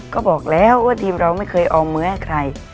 ก็บอกแล้วว่าทีมเราไม่เคยเอามือให้ใคร